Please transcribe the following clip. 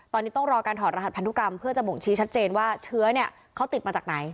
ตอนนี้ต้องรอการถอดรหัสพันธุกรรมเพื่อจะบ่งชี้ชัดเจนว่าเชื้อเนี่ยเขาติดมาจากไหน